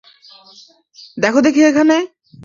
দেখ দেখি এখানে!